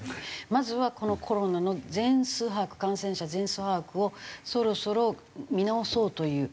まずはこのコロナの全数把握感染者全数把握をそろそろ見直そうという。